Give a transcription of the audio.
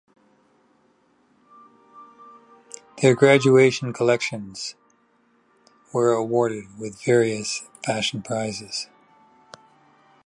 Their graduation collections were awarded with various fashion prizes.